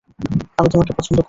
আমি তোমাকে পছন্দ করি না।